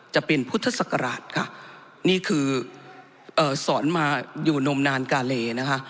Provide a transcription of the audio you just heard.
จะเป็นพุทธศักราชค่ะนี่คือเอ่อสอนมาอยู่นมนานกาเลนะคะ